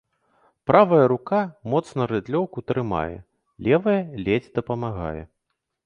Правая рука моцна рыдлёўку трымае, левая ледзь дапамагае.